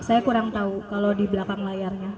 saya kurang tahu kalau di belakang layarnya